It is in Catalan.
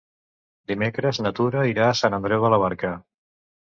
Dimecres na Tura irà a Sant Andreu de la Barca.